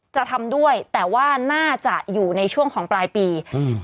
จะทำด้วยแต่ว่าน่าจะอยู่ในช่วงของปลายปีอืม